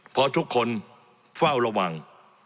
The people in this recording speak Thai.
เพราะทุกคนเฝ้าระวัง